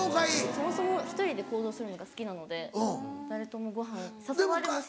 そもそも１人で行動するのが好きなので誰ともごはん誘われもしないし。